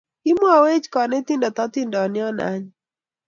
Kimwochi konetinde otindiot ne anyiny